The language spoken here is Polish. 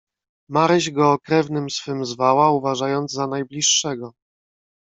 "Maryś go krewnym swym zwała, uważając za najbliższego."